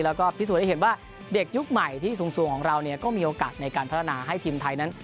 แล้วก็พิสูจน์ให้เห็นว่าเด็กยุคใหม่ที่สูงของเราก็มีโอกาสในการพัฒนาให้ทีมไทยนั้น